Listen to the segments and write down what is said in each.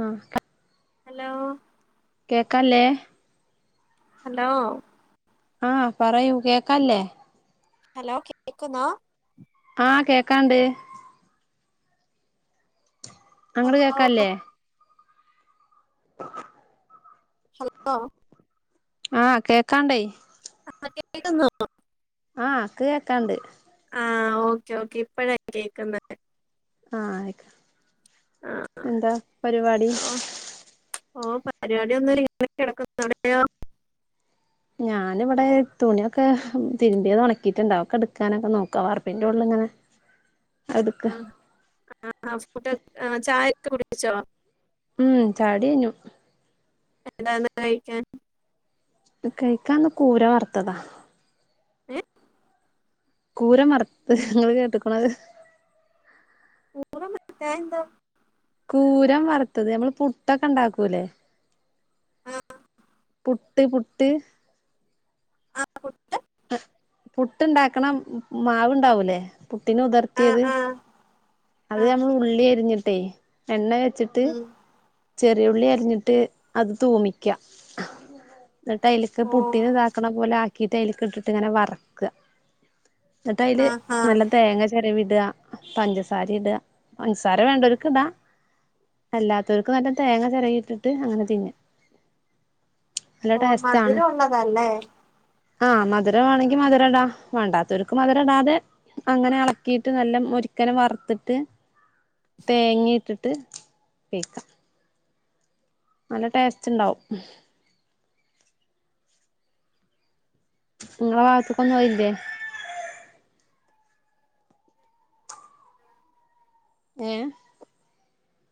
ആഹ hello കെക്കാലെ hello ആഹ് പറയൂ കേക്കല്ലേ ഹലോ കേക്കുന്നോ ആഹ് കേക്കാണ്ട് അങ്ങട് ഹലോ കേക്കല്ലേ [unintelligible] ഹല്ലോ ആഹ് കേക്കാണ്ടേയ് കേക്ക് ന്നോ ആഹ ക്ക് കേക്കാണ്ട് ആഹ ഓക്കേ ഓക്കേ ഇപ്പഴ കേക്കുന്ന ആയിക്ക എന്താ പരിപാടി ഓ ഓ പരിപാടി ഒന്നുല്ല ഇവിടെ കിടക്കുന്നു അവിടെയോ ഞാനി ഇവിടെ തുണിയൊക്കെ തിരുമ്പിത് ഉണക്കിട്ട്ണ്ട് അ ഒക്കെ എടുക്കാനൊക്കെ നോക്കാ വാർപ്പിന്റെ ഓൾൽ ഇങ്ങനെ എടുക്ക ആ അ ഊസ് പുട്ട് ചായ ത്ത് കുടിച്ചോ ഉം ചായുടി യിഞ്ഞു എന്താണ് കഴിക്കാൻ കഴിക്കാന്ന് കൂര വറുത്തതാ ഏ കൂര മറത്ത് ങ്ങള്ൾ കേട്ട്ക്ക്ണോ അത് പൂരം കയന്താ കൂരം വറുത്തത് അമ്മള് പുട്ടൊക്കെ ണ്ടാക്കൂല്ലേ ആ പുട്ട് പുട്ട് ആ പുട്ട് പുട്ട്ണ്ടാക്കണം മാവ്ണ്ടാവൂലേ പുട്ടിന് ആ ഉതർത്തിയത് ആ ആ അത് നമ്മൾ ഉള്ളി അരിഞ്ഞെ ട്ടെ എണ്ണ വെച്ചിട്ട് ഉം ചെറിയുള്ളി അരിഞ്ഞിട്ട് അത് തൂമിക്ക എന്നിട്ട് അയിലേക്ക് ഓ പുട്ടിനു ഇതാക്കണ പോലെ ആ ക്കിട്ട് അതിലേക്ക് ഇട്ടിട്ടിങ്ങനെ വറക്കുക എന്നിട്ട് അയില് ആഹാ നല്ല തേങ്ങ ചെരവി ടുക പഞ്ചസാ സാര ഇടുക പഞ്ചസാര വേണ്ടവർക്ക് ഇടാ അല്ലാത്തവർക്ക് നല്ല തേങ്ങ ചിരകീട്ടിട്ട് അങ്ങനെ തിന്ന നല്ല ഓ മധുരം ഉള്ളതാല്ലേ ആ മധുരം വേണോങ്കി മധുരം ഇടാ വേണ്ടാത്തവർക്ക് മധുരം ഇടാതെ അങ്ങനെ ഇളക്കിയിട്ട് നല്ല മൊരുക്കനെ വറു ത്തിട്ട് തേങ്ങയിട്ടിട്ട് കയിക്കാം നല്ല ടേസ്റ്റ് ഉണ്ടാവും ഇങ്ങളെ ഭാഗത്തേക്കൊന്നും അതില്ലേ ഏ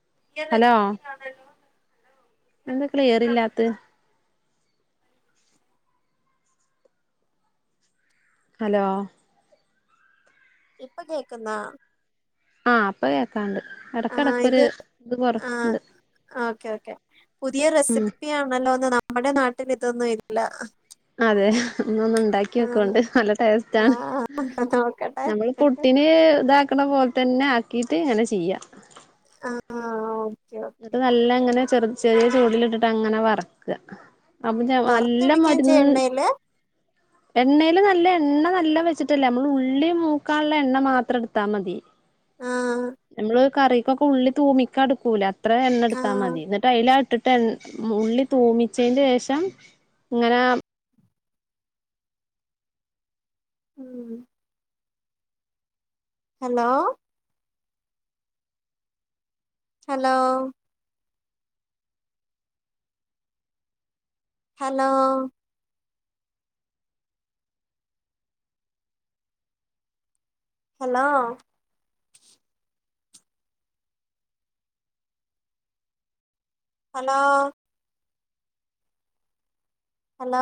[unintelligible] പുതിയ അതെന്താ ക്ലിയർ ആണല്ലോ. ഇല്ലാത്തത് ഹലോ ഇപ്പൊ കേക്കുന്നാ ആ പ്പൊ കേക്കാം ക്കാണ്ട് ഇടക്കടക്കൊരു ഇത് ഇത് കൊറ ണ്ട് ക്കെ പുതിയ റെസിപ്പിയാണല്ലോ ന്നു നമ്മുടെ നാട്ടിൽ ഇതൊന്നും ഇല്ല അതേ എന്നാ ഒന്ന് ഉണ്ടാക്കി ആഹ് നോക്കണ്ട് നല്ല ടേസ്റ്റ് ആണ് ആഹ് നോക്കട്ടെ നമ്മള് പുട്ടിന് ഇതാക്കണ പോ തന്നെ ആക്കീട്ട് അങ്ങനെ ചെയ്യ. ആഹ് ആഹ് ഓ ന്നിട്ട് നല്ല ഇങ്ങനെ ചെറ് ചെറിയ ചൂടിലിട്ടിട്ട് അങ്ങനെ വർക്ക്. അപ്പൊ ഇഞ്ഞ ഔ നല്ല വറുത്തെടുക്കുകയും മര്ന്ന് ചെയ്യും എണ്ണയില് എണ്ണേല് നല്ലേ എണ്ണ നല്ല വെച്ചിട്ടല്ലേ നമ്മള് ഉള്ളി മൂക്കാള്ള എണ്ണ മാത്രം എട്ത്താ മതി. ആഹ് ഞമ്മള് കറീക്കൊക്ക ഉള്ളി തൂമിക്കാട്ക്കൂല അത്രെ എണ്ണ എട്ത്താ ആഹ് മതി ഇന്നിട്ട് അയിലാട്ട് ട്ടെൻ ഉള്ളി തൂമിച്ചേന്റെ ശേഷം ഇങ്ങനെ ഉം hello hello hello hello hello hello